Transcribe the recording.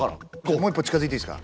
もう一歩近づいていいですか？